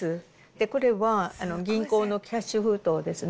これは銀行のキャッシュ封筒ですね。